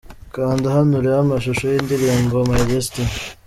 Kanda hano urebe amashusho y'indirimbo 'My Destiny'.